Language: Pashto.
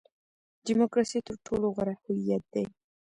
ډیموکراسي تر ټولو غوره هویت دی.